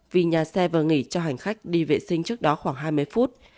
vì nhà xe vừa nghỉ cho hành khách đi vệ sinh trước đó khoảng hai mươi phút